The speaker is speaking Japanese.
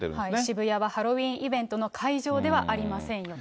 渋谷はハロウィーンイベントの会場ではありませんよと。